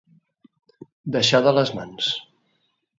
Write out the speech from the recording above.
Deixar de les mans.